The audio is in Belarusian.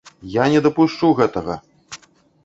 Я не дапушчу гэтага!